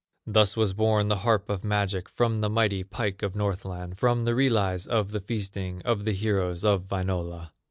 Thus was born the harp of magic From the mighty pike of Northland, From the relies from the feasting Of the heroes of Wainola.